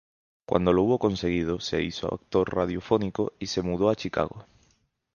Cuando lo hubo conseguido, se hizo actor radiofónico y se mudó a Chicago.